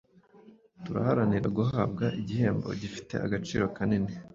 turaharanira guhabwa igihembo gifite agaciro kanini,